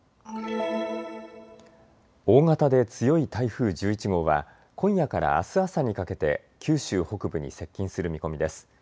大型で強い台風１１号は今夜からあす朝にかけて九州北部に接近する見込みです。